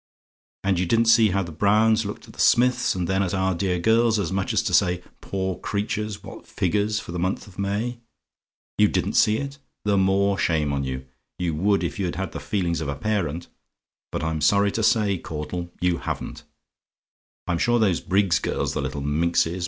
And you didn't see how the Browns looked at the Smiths, and then at our dear girls, as much as to say, 'Poor creatures! what figures for the month of May!' "YOU DIDN'T SEE IT? "The more shame for you you would, if you'd had the feelings of a parent but I'm sorry to say, Caudle, you haven't. I'm sure those Briggs's girls the little minxes!